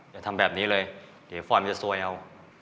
อย่าทำแบบนี้เลยเดี๋ยวฟอร์มจะซวยเอา